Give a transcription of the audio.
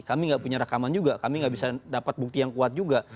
kami nggak punya rekaman juga kami nggak bisa dapat bukti yang kuat juga